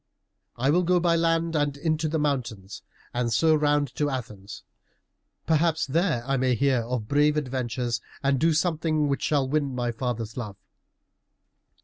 "I will go by land and into the mountains, and so round to Athens. Perhaps there I may hear of brave adventures, and do something which shall win my father's love."